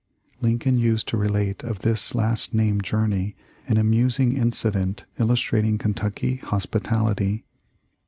Lincoln used to relate of this last named journey an amusing incident illustrating Kentucky hospi tality.